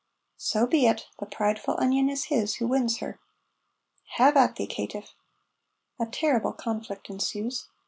"So be it. The prideful onion is his who wins her." "Have at thee, caitiff!" A terrible conflict ensues.